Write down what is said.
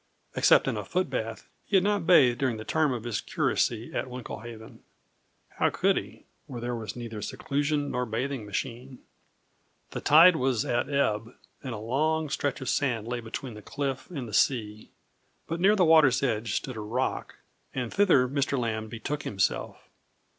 Except in a footbath he had not bathed during the term of his curacy at Winklehaven. How could he, where there was neither seclusion nor bathing machine? The tide was at ebb, and a long stretch of sand lay between the cliff and the sea; but near the water's edge stood a rock, and thither Mr. Lambe betook himself.